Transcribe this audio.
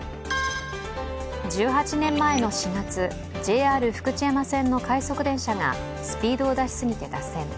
１８年前の４月、ＪＲ福知山線の快速電車がスピードを出しすぎて脱線。